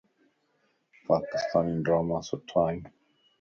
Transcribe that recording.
پاڪستاني ڊراما سُٺا ائين